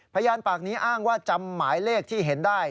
พยานปากนี้อ้างว่าจำหมายเลขที่เห็นได้